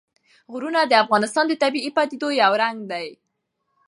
غرونه د افغانستان د طبیعي پدیدو یو رنګ دی.